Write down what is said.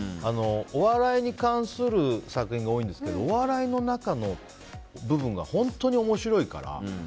お笑いに関する作品が多いんですけどお笑いの中の部分が本当に面白いから。